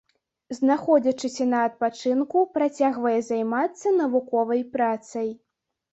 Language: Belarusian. Знаходзячыся на адпачынку, працягвае займацца навуковай працай.